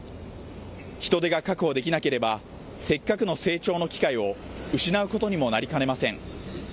人手が確保できなければせっかくの成長の機会を失うことにもなりかねません。